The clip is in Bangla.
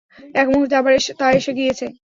এক মুহূর্তেই আবার তা এসে গিয়েছে।